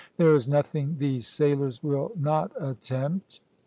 There is nothing these sailors will not attempt."